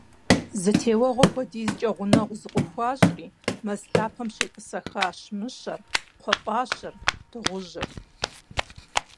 Зы теуэгъуэ хуэдизкӏэ гъунэгъу зыкъыхуащӏри, мэз лъапэм щетӏысэхащ мыщэр, кхъуэпӏащэр, дыгъужьыр.